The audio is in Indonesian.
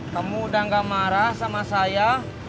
kamu udah nggak marah sama saya